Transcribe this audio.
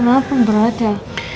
enggak kenapa berat ya